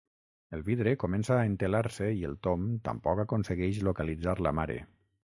El vidre comença a entelar-se i el Tom tampoc aconsegueix localitzar la mare.